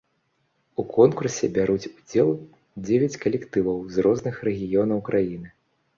У конкурсе бяруць удзел дзевяць калектываў з розных рэгіёнаў краіны.